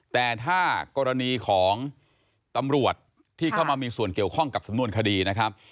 แต่ถ้ากรณีของตำรวจที่เข้ามามีส่วนเกี่ยวข้องกับสำนวนคดีนะครับ